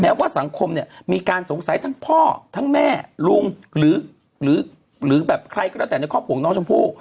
ว่าสังคมเนี่ยมีการสงสัยทั้งพ่อทั้งแม่ลุงหรือแบบใครก็แล้วแต่ในครอบครัวของน้องชมพู่